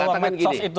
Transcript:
saya mengatakan gini